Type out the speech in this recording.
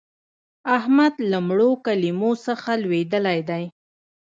احمد له مړو کلمو څخه لوېدلی دی.